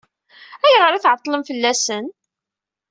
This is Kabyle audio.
Ayɣer i tɛeṭṭlemt fell-asen?